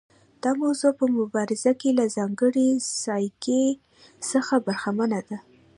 دا موضوع په مبارزه کې له ځانګړي ځایګي څخه برخمنه ده.